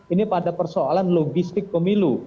ini pada persoalan logistik pemilu